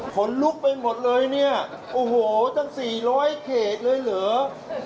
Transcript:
ขนลุกไปหมดเลยเนี่ยโอ้โหตั้ง๔๐๐เขตเลยเหรอ